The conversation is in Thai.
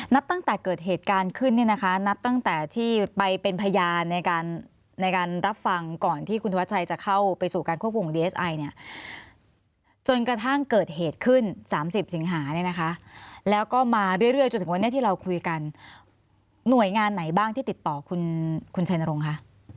ตั้งแต่เกิดเหตุการณ์ขึ้นเนี่ยนะคะนับตั้งแต่ที่ไปเป็นพยานในการในการรับฟังก่อนที่คุณธวัชชัยจะเข้าไปสู่การควบคุมดีเอสไอเนี่ยจนกระทั่งเกิดเหตุขึ้น๓๐สิงหาเนี่ยนะคะแล้วก็มาเรื่อยจนถึงวันนี้ที่เราคุยกันหน่วยงานไหนบ้างที่ติดต่อคุณชัยนรงค์คะ